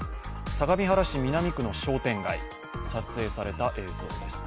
相模原市南区の商店街撮影された映像です。